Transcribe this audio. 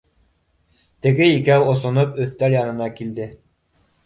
Теге икәү осоноп өҫтәл янына килде